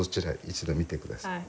一度見て下さい。